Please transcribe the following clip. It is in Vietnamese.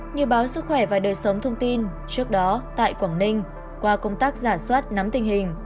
như báo sức khỏe và đời sống thông tin trước đó tại quảng ninh qua công tác giả soát nắm tình hình